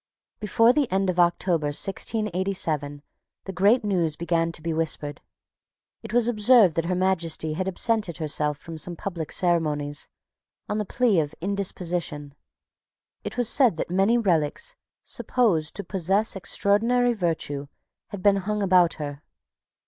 Before the end of October 1687 the great news began to be whispered. It was observed that Her Majesty had absented herself from some public ceremonies, on the plea of indisposition. It was said that many relics, supposed to possess extraordinary virtue, had been hung about her.